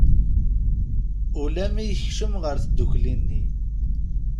Ula mi yekcem ɣer tddukli-nni.